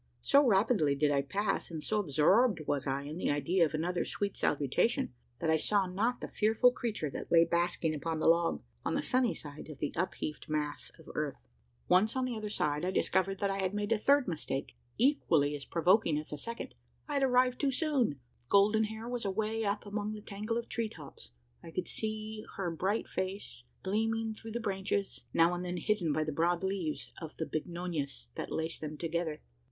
So rapidly did I pass, and so absorbed was I in the idea of another sweet salutation, that I saw not the fearful creature that lay basking upon the log on the sunny side of the upheaved mass of earth. Once on the other side, I discovered that I had made a third mistake equally as provoking as the second I had arrived too soon! Golden hair was away up among the tangle of the tree tops. I could see her bright face gleaming through the branches now and then hidden by the broad leaves of the bignonias that laced them together.